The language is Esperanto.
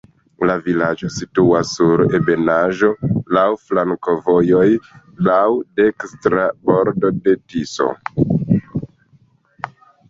La vilaĝo situas sur ebenaĵo, laŭ flankovojoj, laŭ dekstra bordo de Tiso.